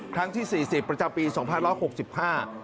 ครั้งที่สี่สิบประจำปีสองพันร้อยหกสิบห้า